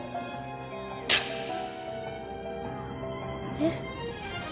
えっ？